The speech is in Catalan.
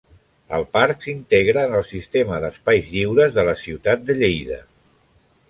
El parc s'integra en el sistema d’espais lliures de la ciutat de Lleida.